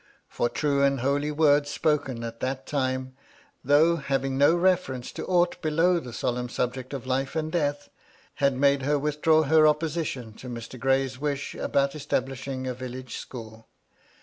For true and holy words spoken at that time, though having no reference to aught below the solemn subjects of life and death, had made her withdraw her opposition to Mr. Gray's wish about establishing a village school.